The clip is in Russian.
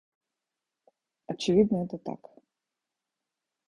Очевидно это так